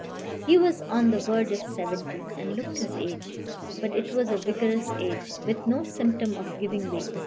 He was on the verge of seventy, and looked his age; but it was a vigorous age, with no symptom of giving way.